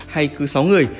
hay cứ sáu người